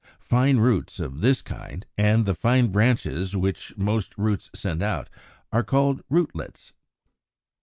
Fine roots of this kind, and the fine branches which most roots send out are called ROOTLETS.